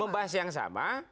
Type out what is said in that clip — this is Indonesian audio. membahas yang sama